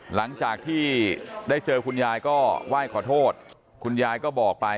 หลังจากที่ได้เจอคุณยายก็ไหว้ขอโทษคุณยายก็บอกไป